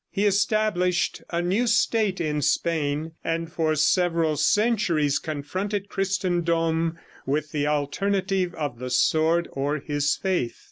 He established a new state in Spain, and for several centuries confronted Christendom with the alternative of the sword or his faith.